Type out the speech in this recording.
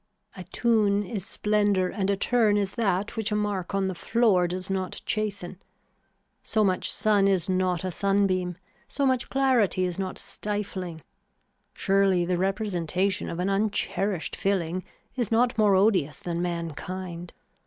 A tune is splendor and a turn is that which a mark on the floor does not chasten. So much sun is not a sunbeam. So much clarity is not stifling. Surely the representation of an uncherished filling is not more odious than mankind.